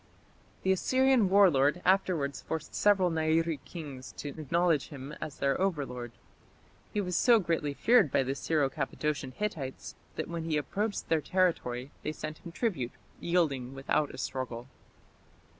The Assyrian war lord afterwards forced several Nairi kings to acknowledge him as their overlord. He was so greatly feared by the Syro Cappadocian Hittites that when he approached their territory they sent him tribute, yielding without a struggle.